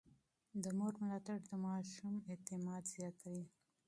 د مور ملاتړ د ماشوم اعتماد زياتوي.